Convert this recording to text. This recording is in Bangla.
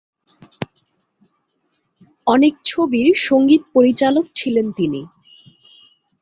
অনেক ছবির সংগীত পরিচালক ছিলেন তিনি।